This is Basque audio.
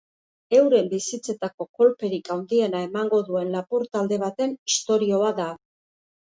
Euren bizitzetako kolperik handiena emango duen lapur talde baten istorioa da.